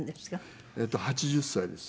８０歳です。